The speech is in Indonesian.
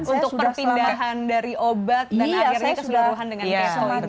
untuk perpindahan dari obat dan akhirnya keseluruhan dengan ketovastosis